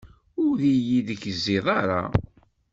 Ur iyi-tegzid ara.